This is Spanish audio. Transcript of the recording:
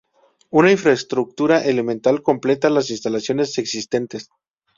Una infraestructura elemental completa las instalaciones existentes.